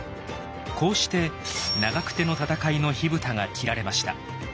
こうして長久手の戦いの火蓋が切られました。